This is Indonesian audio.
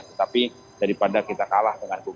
tetapi daripada kita kalah dengan dua